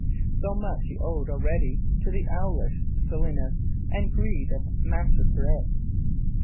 So much he owed already to the owlish silliness and greed of Master Pirret.